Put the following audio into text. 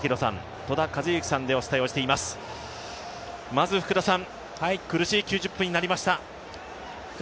まず福田さん苦しい９０分になりました。